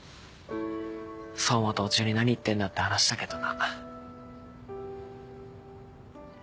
走馬灯中に何言ってんだって話だけどな。